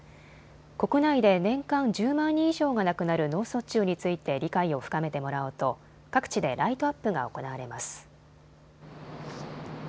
国内で年間１０万人以上が亡くなる脳卒中について理解を深めてもらおうと各地でライトアップが行われます。